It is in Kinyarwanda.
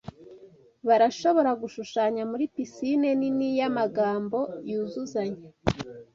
barashobora gushushanya muri pisine nini yamagambo yuzuzanya